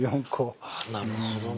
なるほどな。